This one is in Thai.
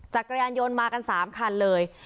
จากกระยังยนต์มากันสามคันเลย